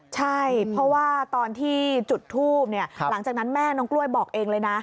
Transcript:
ใช่เพราะว่าตอนที่จุดทูบหลังจากนั้นแม่น้องกล้วยบอกเองเลยนะ